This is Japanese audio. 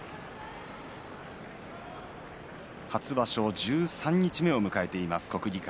初場所十三日目を迎えています国技館。